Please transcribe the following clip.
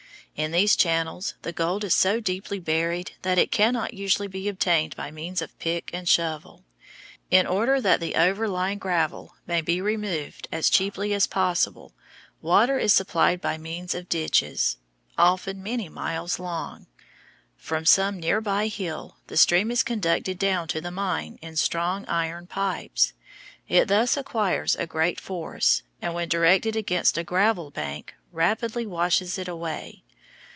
In these channels the gold is so deeply buried that it cannot usually be obtained by means of pick and shovel. In order that the overlying gravel may be removed as cheaply as possible, water is supplied by means of ditches, often many miles long. From some near by hill the stream is conducted down to the mine in strong iron pipes. It thus acquires a great force, and when directed against a gravel bank rapidly washes it away.